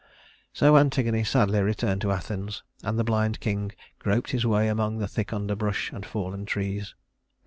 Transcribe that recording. So Antigone sadly returned to Athens, and the blind king groped his way among the thick underbrush and fallen trees.